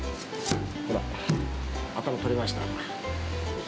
ほら頭取れました。